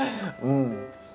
うん。